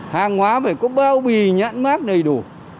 hàng hóa phải có bao bì nhãn mát đầy đủ